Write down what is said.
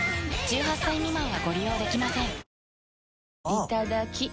いただきっ！